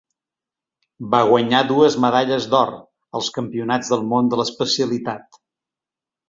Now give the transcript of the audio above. Va guanyar dues medalles d'or, als Campionats del Món de l'especialitat.